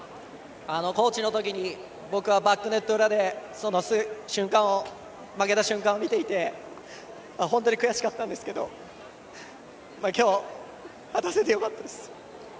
コーチの時に僕はバックネット裏でその瞬間、負けた瞬間を見ていて本当に悔しかったんですけど今日、果たせてよかったです。